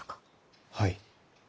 はい。